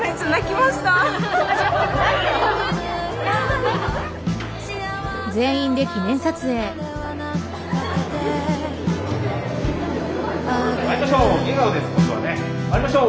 まいりましょう。